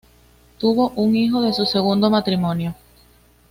Tuvo un hijo de su segundo matrimonio.